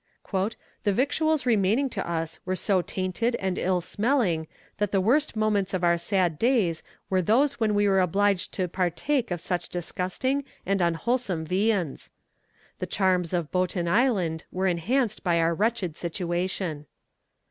"The victuals remaining to us were so tainted and ill smelling, that the worst moments of our sad days were those when we were obliged to partake of such disgusting and unwholesome viands. "The charms of Boeton Island were enhanced by our wretched situation.